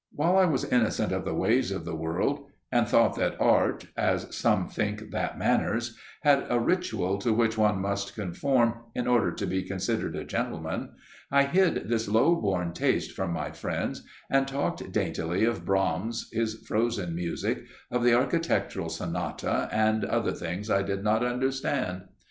While I was innocent of the ways of the world, and thought that Art, as some think that Manners, had a ritual to which one must conform in order to be considered a gentleman, I hid this low born taste from my friends and talked daintily of Brahms, his frozen music, of the architectural sonata, and other things I did not understand.